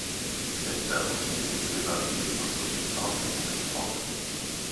Die Fellfärbung dieser Tiere variiert von rötlichbraun bis dunkelbraun.